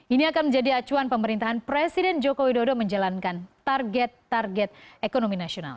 ini akan menjadi acuan pemerintahan presiden joko widodo menjalankan target target ekonomi nasional